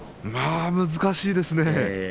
難しいですね。